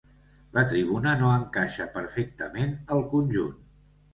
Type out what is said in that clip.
La tribuna no encaixa perfectament al conjunt.